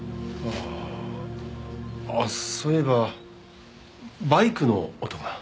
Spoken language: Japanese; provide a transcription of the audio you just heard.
あっそういえばバイクの音が。